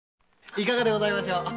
いかがでございましょう？